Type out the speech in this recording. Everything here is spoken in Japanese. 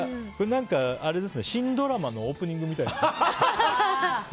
新ドラマのオープニングみたいですね。